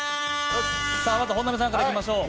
まず本並さんからいきましょう。